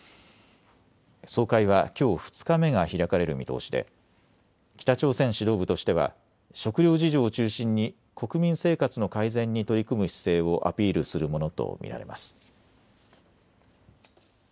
総会はきょう２日目が開かれる見通しで北朝鮮指導部としては食料事情を中心に国民生活の改善に取り組む姿勢をアピールするものと見られます。